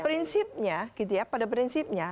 prinsipnya gitu ya pada prinsipnya